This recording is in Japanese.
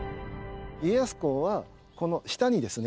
家康公はこの下にですね。